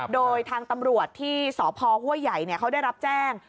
โดยทางตำรวจที่สพห้วยใหญ่เขาได้รับแจ้ง